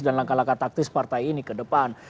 dan langkah langkah taktis partai ini ke depan